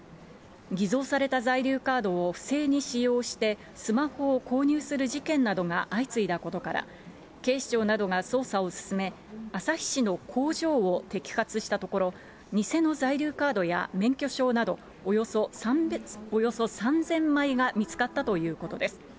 偽造された在留カードを不正に使用して、スマホを購入する事件などが相次いだことから、警視庁などが捜査を進め、旭市の工場を摘発したところ、偽の在留カードや免許証などおよそ３０００枚が見つかったということです。